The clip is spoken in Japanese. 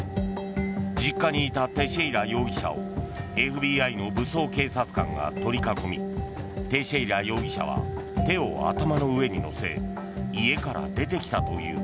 実家にいたテシェイラ容疑者をＦＢＩの武装警察官が取り囲みテシェイラ容疑者は手を頭の上に乗せ家から出てきたという。